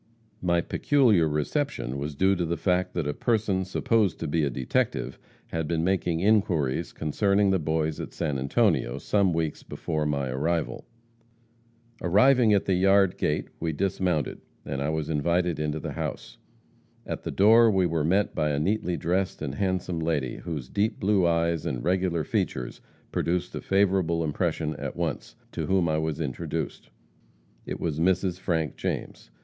My peculiar reception was due to the fact that a person supposed to be a detective, had been making inquiries concerning the Boys at San Antonio, some weeks before my arrival. "Arriving at the yard gate, we dismounted, and I was invited into the house. At the door we were met by a neatly dressed and handsome lady, whose deep blue eyes and regular features produced a favorable impression at once, to whom I was introduced. It was Mrs. Frank James.